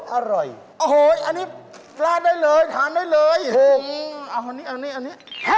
โอ้โฮอันนี้ราดได้เลยทานได้เลยเอาอันนี้